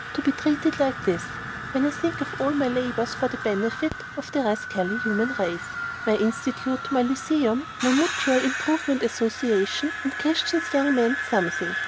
To be treated like this, when I think of all my labors for the benefit of the rascally human race! my Institute, my Lyceum, my Mutual Improvement Association, and Christian Young Men's something.